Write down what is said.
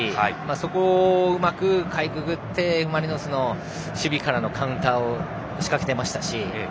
そこをうまくかいくぐってＦ・マリノスの守備からのカウンターを仕掛けていましたし。